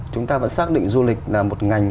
chúng ta vẫn xác định du lịch là một ngành